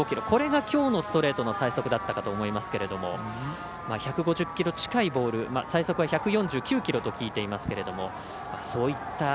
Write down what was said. これがきょうのストレートの最速だったかと思いますけれども１５０キロ近いボール最速は１４９キロと聞いていますけれども。